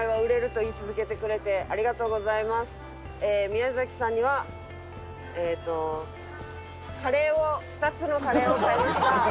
宮嵜さんにはえっとカレーを２つのカレーを買いました。